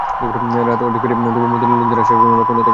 রাত অর্ধেক পেরিয়ে যায় তবুও মদীনার লোকদের আসার কোন লক্ষণ দেখা যায় না।